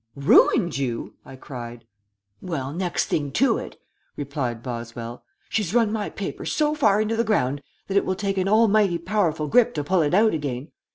"Ruined you?" I cried. "Well, next thing to it," replied Boswell. "She's run my paper so far into the ground that it will take an almighty powerful grip to pull it out again.